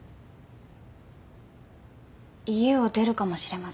家を出るかもしれません。